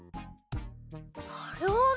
なるほど！